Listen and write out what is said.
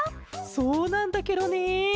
そうなんだケロね。